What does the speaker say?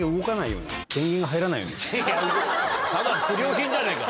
いやただの不良品じゃねえか。